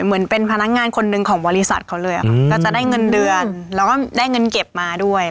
เหมือนเป็นพนักงานคนหนึ่งของบริษัทเขาเลยค่ะก็จะได้เงินเดือนแล้วก็ได้เงินเก็บมาด้วย